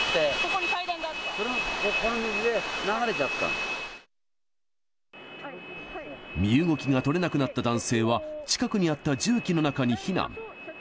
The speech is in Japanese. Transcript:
それが、ここの水で流れちゃ身動きが取れなくなった男性は近くにあった重機の中に避難。